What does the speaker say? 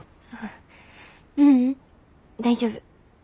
ううん大丈夫。